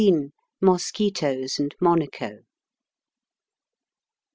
MOSQUITOES AND MONACO.